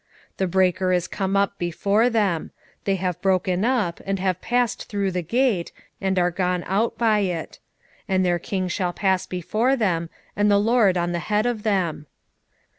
2:13 The breaker is come up before them: they have broken up, and have passed through the gate, and are gone out by it: and their king shall pass before them, and the LORD on the head of them.